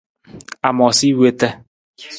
A moosa i wota.